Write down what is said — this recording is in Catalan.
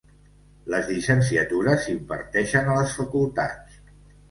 Les llicenciatures s'imparteixen a les facultats.